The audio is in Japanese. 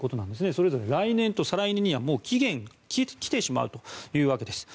それぞれ来年と再来年には期限が来てしまうということです。